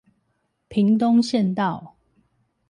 屏東縣道